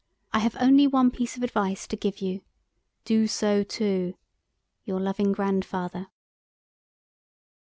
I have only one piece of advice to give you. Do so too.—Your loving Grandfather."